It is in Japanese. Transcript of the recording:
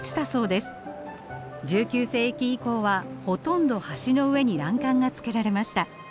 １９世紀以降はほとんど橋の上に欄干がつけられました。